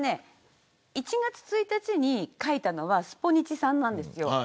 １月１日に書いたのはスポニチさんなんです。